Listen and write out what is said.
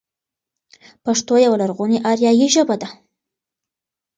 پښتو يوه لرغونې آريايي ژبه ده.